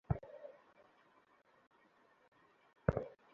ওখানে মাঠ ভালো পেলে ভালো খেলব, ড্রিবলিং করে বক্সে ঢুকতে পারব।